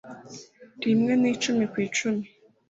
rimwe na icumi ku icumi